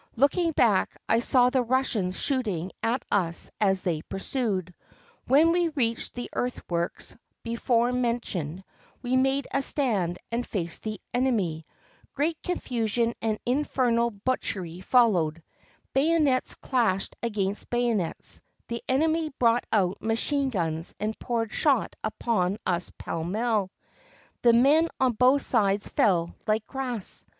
Looking back, I saw the Russians shooting at us as they pursued. When we reached the earthworks before mentioned, we made a stand and faced the enemy. Great confusion and infernal butchery followed. Bayonets clashed against bayonets; the enemy brought out machine guns and poured shot upon us pell mell ; the men on both sides fell like grass.